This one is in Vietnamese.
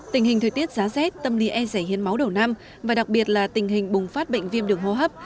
tình hình thời tiết giá rét tâm lý e giải hiến máu đầu năm và đặc biệt là tình hình bùng phát bệnh viêm đường hô hấp